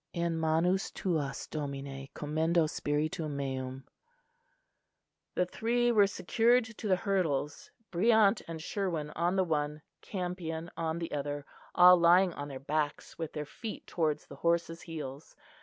"In manus tuas, Domine, commendo spiritum meum." The three were secured to the hurdles, Briant and Sherwin on the one, Campion on the other, all lying on their backs, with their feet towards the horse's heels.